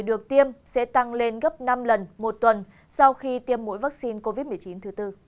được tiêm sẽ tăng lên gấp năm lần một tuần sau khi tiêm mũi vaccine covid một mươi chín thứ tư